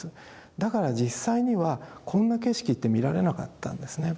だから実際にはこんな景色って見られなかったんですね。